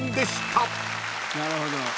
なるほど。